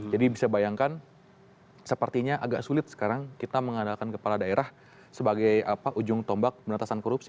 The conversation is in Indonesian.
jadi bisa bayangkan sepertinya agak sulit sekarang kita mengadakan kepala daerah sebagai ujung tombak penatasan korupsi